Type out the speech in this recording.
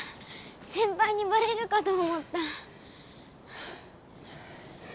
せんぱいにバレるかと思った。